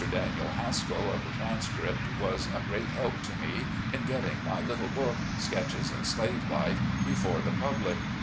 Daniel Haskill, of the Transcript, was a great help to me in getting my little book — "Sketches of Slave Life" — before the public.